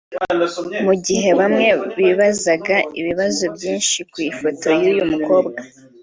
Mu gihe bamwe bibazaga ibibazo byinshi ku ifoto y’uyu mukobwa